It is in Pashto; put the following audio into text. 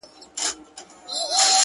چي مي په کلیو کي بلا لنګه سي!.